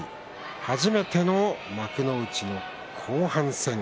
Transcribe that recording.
初めての幕内の後半戦。